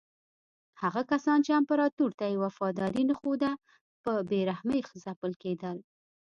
هغه کسان چې امپراتور ته یې وفاداري نه ښوده په بې رحمۍ ځپل کېدل.